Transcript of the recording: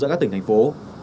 giữa các tỉnh thành phố